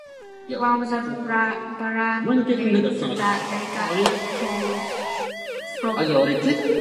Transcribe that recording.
One of the barangays that make up the towns proper.